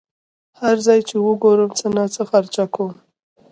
هر ځای چې یې وګورم څه ناڅه خرچه کوم.